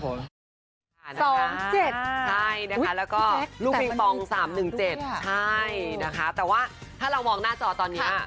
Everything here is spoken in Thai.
สองเจ็ดใช่นะคะแล้วก็ลูกปิงปองสามหนึ่งเจ็ดใช่นะคะแต่ว่าถ้าเรามองหน้าจอตอนนี้อ่ะ